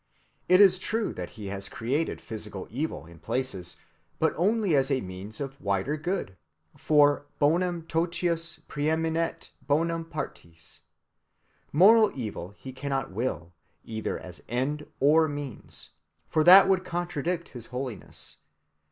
It is true that He has created physical evil in places, but only as a means of wider good, for bonum totius præeminet bonum partis. Moral evil He cannot will, either as end or means, for that would contradict his holiness.